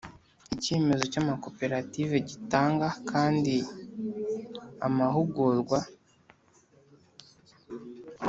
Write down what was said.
Icyemezo cy amakoperative gitanga kandi amahugurwa